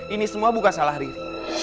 ini semua bukan salah riri